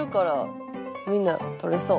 みんなとれそう。